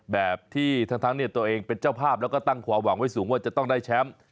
แบบที่ทั้งตัวเองเป็นเจ้าภาพแล้วก็ตั้งความหวังไว้สูงว่าจะต้องได้แชมป์